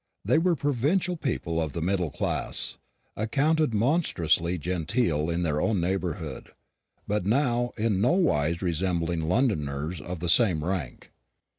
They were provincial people of the middle class, accounted monstrously genteel in their own neighbourhood, but in nowise resembling Londoners of the same rank.